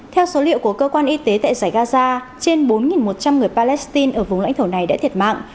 theo số liệu của cơ quan y tế tại giải gaza trên bốn một trăm linh người palestine ở vùng lãnh thổ này đã thiệt mạng